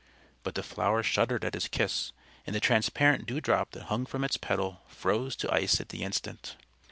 But the flower shuddered at his kiss, and the transparent dewdrop that hung from its petal froze to ice at the instant.